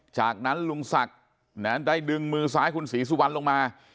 จากนั้นลุงศักดิ์ได้ดึงมือซ้ายคุณศรีสุวรรณลงมา